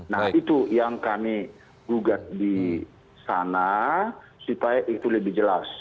nah itu yang kami gugat di sana supaya itu lebih jelas